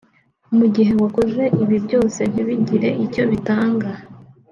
Mu gihe wakoze ibi byose ntibigire icyo bitanga